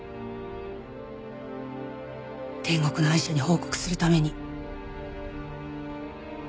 天国のアイシャに報告するために。